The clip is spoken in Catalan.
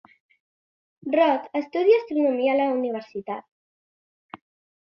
Rod estudia astronomia a la universitat.